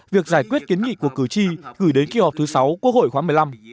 việc giải quyết kiến nghị của cử tri gửi đến kỳ họp thứ sáu quốc hội khóa một mươi năm